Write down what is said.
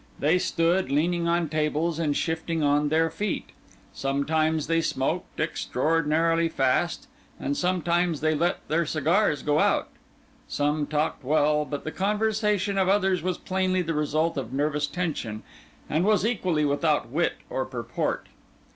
They stood, leaning on tables and shifting on their feet; sometimes they smoked extraordinarily fast, and sometimes they let their cigars go out; some talked well, but the conversation of others was plainly the result of nervous tension, and was equally without wit or purport.